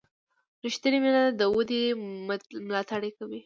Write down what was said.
ریښتینې مینه د ودې ملاتړ کوي.